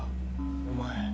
お前。